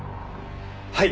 はい！